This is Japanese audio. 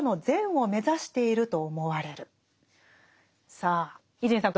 さあ伊集院さん